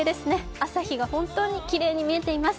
朝日が本当にきれいに見えています。